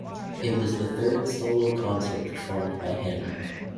It was the third solo concert performed by him.